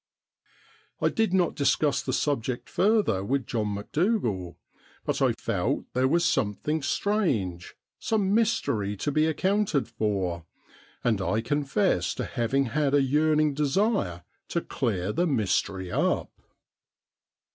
I did not discuss the subject further with John Macdougal, but I felt there was something strange, some mystery to be accounted for, and I confess to having had a yearning desire to clear the mystery up.